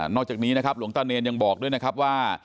อกจากนี้นะครับหลวงตาเนรยังบอกด้วยนะครับว่า